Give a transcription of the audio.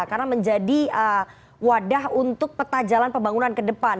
karena menjadi wadah untuk peta jalan pembangunan ke depan